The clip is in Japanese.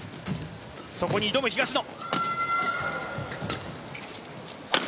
そこに挑む東野。